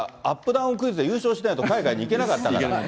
ダウンクイズで優勝しないと海外に行けなかったから。